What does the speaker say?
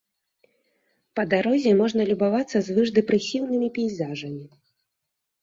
Па дарозе можна любавацца звышдэпрэсіўнымі пейзажамі.